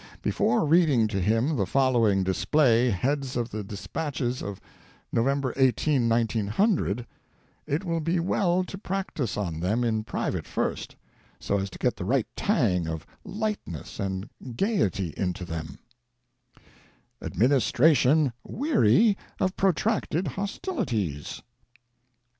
Before reading to him the following display heads of the dispatches of November 18, 1900, it will be well to prac tice on them in private first, so as to get the right tang of lightness and gaiety into them : "ADMINISTRATION WEARY OF PROTRACTED HOSTILITIES